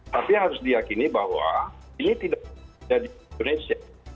tapi harus diyakini bahwa ini tidak terjadi di indonesia